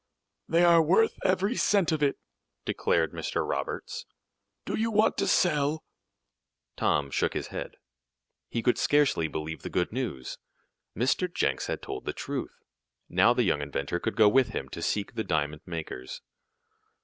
"They are worth every cent of it," declared Mr. Roberts. "Do you want to sell?" Tom shook his head. He could scarcely believe the good news. Mr. Jenks had told the truth. Now the young inventor could go with him to seek the diamond makers.